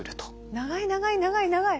長い長い長い長い。